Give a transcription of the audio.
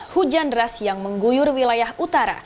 hujan deras yang mengguyur wilayah utara